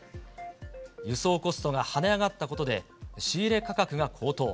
輸送コストが跳ね上がったことで、仕入れ価格が高騰。